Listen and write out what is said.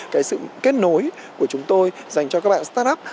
cái sự kết nối của chúng tôi dành cho các bạn start up